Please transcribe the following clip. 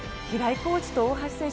コーチと大橋選手